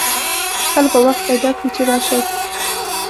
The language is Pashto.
کله به وخت پیدا کړي چې راشئ